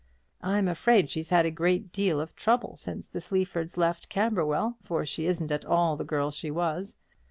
I'm afraid she's had a great deal of trouble since the Sleafords left Camberwell; for she isn't at all the girl she was.